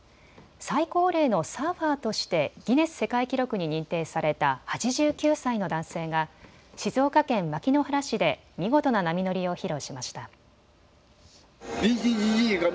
最高齢のサーファーとしてギネス世界記録に認定された８９歳の男性が静岡県牧之原市で見事な波乗りを披露しました。